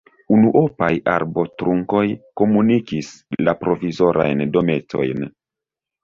Unuopaj arbotrunkoj komunikis la provizorajn dometojn.